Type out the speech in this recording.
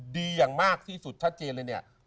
ดีอย่างมากที่สุดชัดเจนเลยเนี่ย